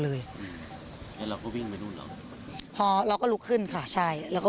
เลยอืมแล้วเราก็วิ่งไปนู่นเราพอเราก็ลุกขึ้นค่ะใช่เราก็